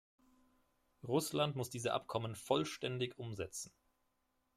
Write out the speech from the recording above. Russland muss diese Abkommen vollständig umsetzen.